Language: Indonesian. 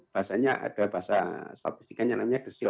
basanya ada bahasa statistikanya namanya desil